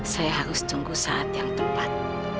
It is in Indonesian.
saya harus tunggu saat yang tepat